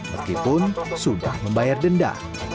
meskipun sudah membayar denda